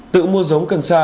tự mua giống cần xa